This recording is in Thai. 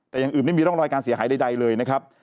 แต่อย่างอื่นไม่มีร่องรอยการเสียหายใดเลยนะครับ